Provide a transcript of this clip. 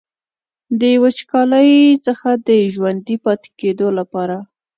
د وچکالۍ څخه د ژوندي پاتې کیدو لپاره.